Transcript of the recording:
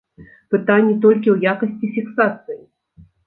Пытанні толькі ў якасці фіксацыі.